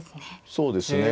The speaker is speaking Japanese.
そうですね。